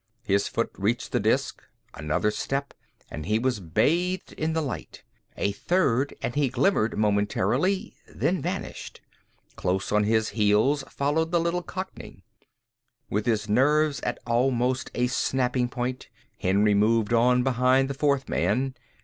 His foot reached the disk; another step and he was bathed in the light, a third and he glimmered momentarily, then vanished. Close on his heels followed the little cockney. With his nerves at almost a snapping point, Henry moved on behind the fourth man.